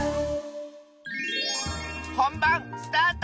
ほんばんスタート！